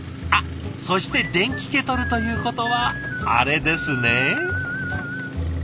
あっそして電気ケトルということはあれですね。